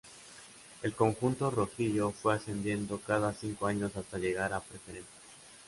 El conjunto rojillo fue ascendiendo cada cinco años hasta llegar a Preferente.